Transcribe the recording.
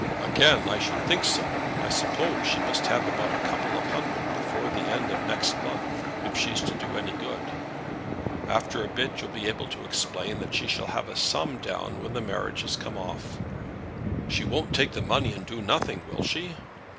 "Again! I should think so. I suppose she must have about a couple of hundred before the end of next month if she's to do any good. After a bit you'll be able to explain that she shall have a sum down when the marriage has come off." "She won't take the money and do nothing; will she?"